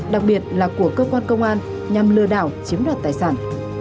đặc biệt là của cơ quan công an nhằm lừa đảo chiếm đoạt tài sản